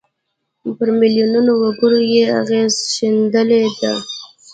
پر میلیونونو وګړو یې اغېز ښندلی دی.